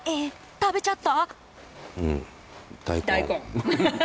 食べちゃった？